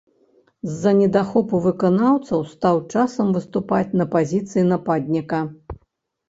З-за недахопу выканаўцаў стаў часам выступаць на пазіцыі нападніка.